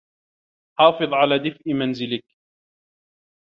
حافظ على دفئ منزلك.